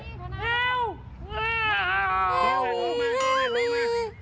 แมวแมวแมวนี่แมวนี่